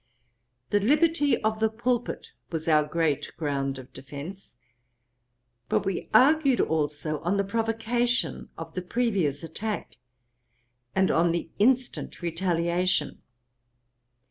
The Liberty of the Pulpit was our great ground of defence; but we argued also on the provocation of the previous attack, and on the instant retaliation.